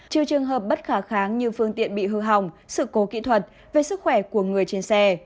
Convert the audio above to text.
trừ trường hợp bất khả kháng như phương tiện bị hư hỏng sự cố kỹ thuật về sức khỏe của người trên xe